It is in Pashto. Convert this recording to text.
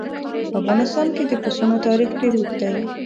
په افغانستان کې د پسونو تاریخ ډېر اوږد دی.